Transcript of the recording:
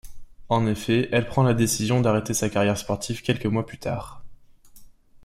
En effet, elle prend la décision d'arrêter sa carrière sportive quelques mois plus tard.